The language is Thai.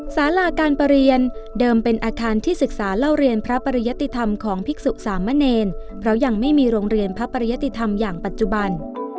สาราการประเรียนเดิมเป็นอาคารที่ศึกษาเล่าเรียนพระปริยติธรรมของภิกษุสามเณรเพราะยังไม่มีโรงเรียนพระปริยติธรรมอย่างปัจจุบัน